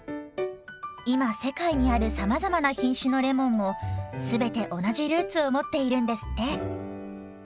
今世界にあるさまざまな品種のレモンも全て同じルーツを持っているんですって。